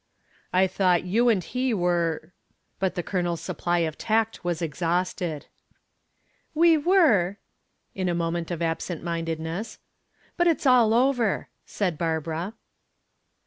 "I thought you and he were " but the Colonel's supply of tact was exhausted. "We were" in a moment of absent mindedness. "But it's all over," said Barbara.